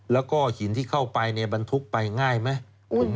แล้วก็หินที่เข้าไปบรรทุกไปง่ายไหม